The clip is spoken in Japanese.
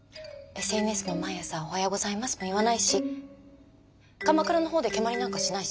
ＳＮＳで毎日「おはようございます」も言わないし鎌倉のほうで蹴まりなんかしないし。